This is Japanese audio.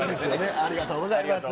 ありがとうございます。